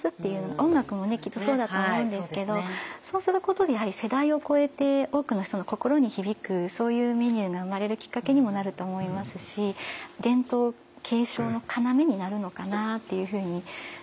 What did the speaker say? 音楽もきっとそうだと思うんですけどそうすることでやはり世代を超えて多くの人の心に響くそういうメニューが生まれるきっかけにもなると思いますし伝統継承の要になるのかなっていうふうに感じてますねはい。